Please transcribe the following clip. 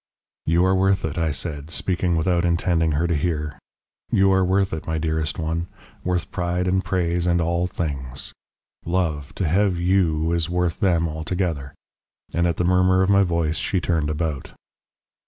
"'You are worth it,' I said, speaking without intending her to hear; 'you are worth it, my dearest one; worth pride and praise and all things. Love! to have YOU is worth them all together.' And at the murmur of my voice she turned about.